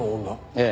ええ。